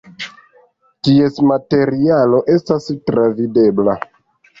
Ties materialo estas travidebla.